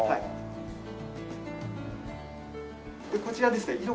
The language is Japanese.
こちらですね